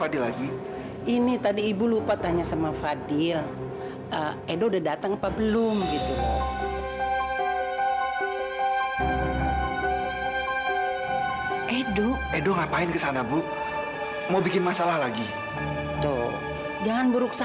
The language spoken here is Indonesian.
dia juga mau jenguk taufan